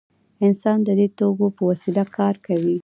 انسان د دې توکو په وسیله کار کوي.